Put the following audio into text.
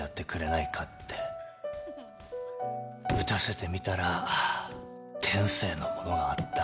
打たせてみたら天性のものがあった。